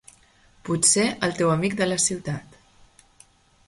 Potser el teu amic de la ciutat.